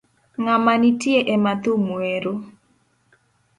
Ngama nitie ema thum wero